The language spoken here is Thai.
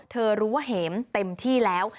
รู้ว่าเห็มเต็มที่แล้ว